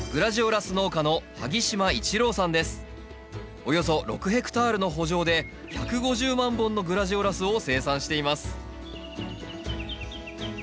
およそ６ヘクタールの圃場で１５０万本のグラジオラスを生産しています